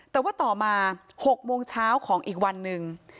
แต่ว่าต่อมา๖โมงเช้าของอีกวันหนึ่ง